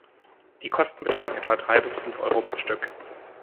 Die Kosten betragen etwa drei bis fünf Euro pro Stück.